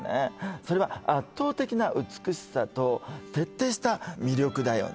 それは圧倒的な美しさと徹底した魅力だよね